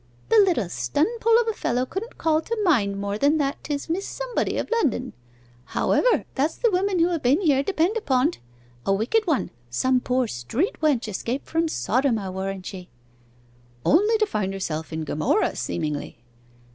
'The little stunpoll of a fellow couldn't call to mind more than that 'tis Miss Somebody, of London. However, that's the woman who ha' been here, depend upon't a wicked one some poor street wench escaped from Sodom, I warrant ye.' 'Only to find herself in Gomorrah, seemingly.